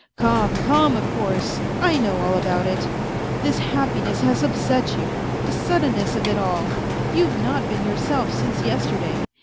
" Come, come of course, I know all about it. This happiness has upset you. The suddenness of it all ; you've not been yourself since yesterday.